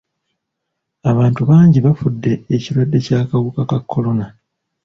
Abantu bangi bafudde ekirwadde ky'akawuka ka kolona.